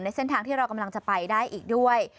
เส้นทางที่เรากำลังจะไปได้อีกด้วย